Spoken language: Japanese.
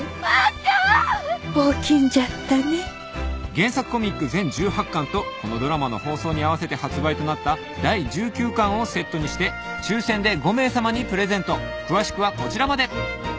［原作コミック全１８巻とこのドラマの放送に合わせて発売となった第１９巻をセットにして抽選で５名さまにプレゼント］